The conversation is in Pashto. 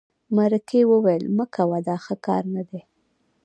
مرکې وویل مه کوه دا ښه کار نه دی.